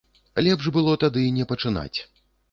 Лепш было тады не пачынаць.